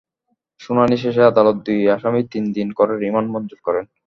শুনানি শেষে আদালত দুই আসামির তিন দিন করে রিমান্ড মঞ্জুর করেন।